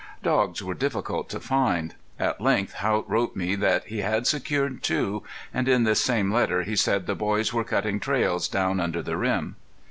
Dogs were difficult to find. At length Haught wrote me that he had secured two; and in this same letter he said the boys were cutting trails down under the rim.